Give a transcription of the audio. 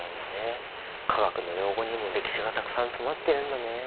化学の用語にも歴史がたくさん詰まってるんだね。